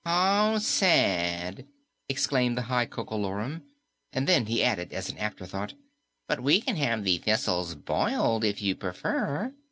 "How sad!" exclaimed the High Coco Lorum, and then he added as an afterthought, "but we can have the thistles boiled, if you prefer."